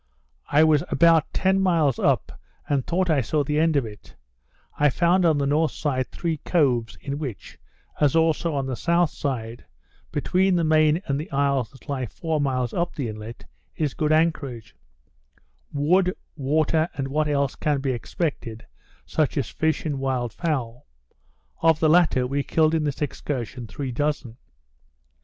I was about ten miles up, and thought I saw the end of it: I found on the north side three coves, in which, as also on the south side, between the main and the isles that lie four miles up the inlet, is good anchorage, wood, water, and what else can be expected, such as fish and wild fowl: Of the latter, we killed in this excursion, three dozen.